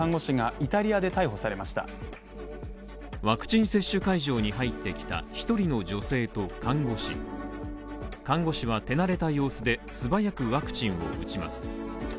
ワクチン接種会場に入ってきた１人の女性と看護師看護師は手慣れた様子で、素早くワクチンを打ちます。